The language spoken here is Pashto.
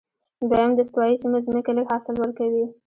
دویم، د استوایي سیمو ځمکې لږ حاصل ورکوي.